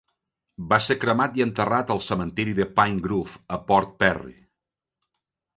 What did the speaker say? Va ser cremat i enterrat al cementiri de Pine Grove a Port Perry.